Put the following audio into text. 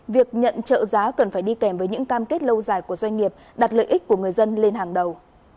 việc nhận trợ giá cần phải đi kèm với những cam kết lâu dài của doanh nghiệp đặt lợi ích của người dân lên hàng đầu